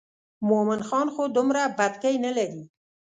مومن خان خو دومره بتکۍ نه لري.